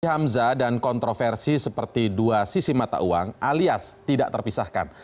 hamzah dan kontroversi seperti dua sisi mata uang alias tidak terpisahkan